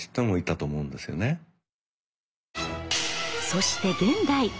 そして現代。